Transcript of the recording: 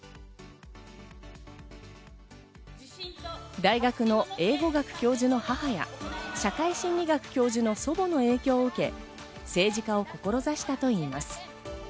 大学の英語学教授の母や、社会心理学教授の祖母の影響を受け、政治家を志したといいます。